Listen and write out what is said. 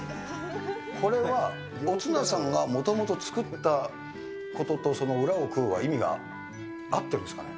これは、おつなさんがもともと作ったことと、裏を食うは意味は合ってるんですかね？